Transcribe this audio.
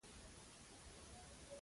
لوی اختر مو مبارک شه!